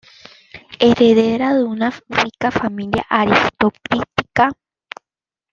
Heredera de una rica familia aristocrática.